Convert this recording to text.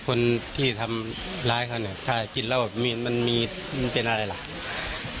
คนที่ทำร้ายถ้ากิดเผาอ่ามันมีเป็นอะไร